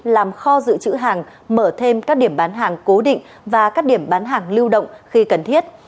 làm kho dự trữ hàng mở thêm các điểm bán hàng cố định và các điểm bán hàng lưu động khi cần thiết